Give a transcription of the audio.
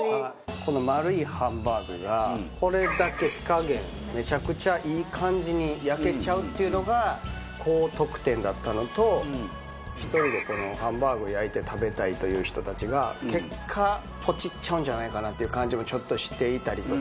この丸いハンバーグがこれだけ火加減めちゃくちゃいい感じに焼けちゃうっていうのが高得点だったのと１人でハンバーグを焼いて食べたいという人たちが結果ポチっちゃうんじゃないかなという感じもちょっとしていたりとか。